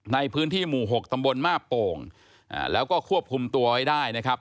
ในพื้นที่หมู่๖ตำบลมาบโป่งแล้วก็ควบคุมตัวไว้ได้นะครับ